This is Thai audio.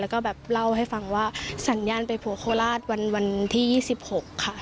แล้วก็แบบเล่าให้ฟังว่าสัญญาณไปผัวโคราชวันที่๒๖ค่ะ